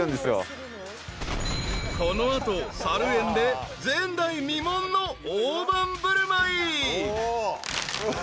［この後さる園で前代未聞の大盤振る舞い］うわ。